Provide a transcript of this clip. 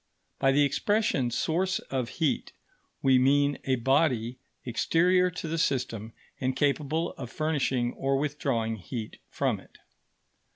By the expression "source of heat," we mean a body exterior to the system and capable of furnishing or withdrawing heat from it.